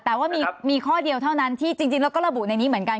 แต่ว่ามีข้อเดียวเท่านั้นที่จริงแล้วก็ระบุในนี้เหมือนกัน